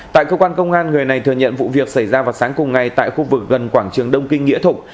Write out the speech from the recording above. tại cơ quan công an người này thừa nhận vụ việc xảy ra vào sáng cùng ngày tại khu vực gần quảng trường đông kinh nghĩa thục